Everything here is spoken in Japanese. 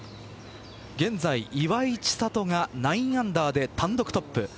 現在、岩井千怜が９アンダーで単独トップ。